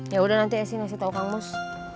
ya udah nanti esi nasi tau kang mus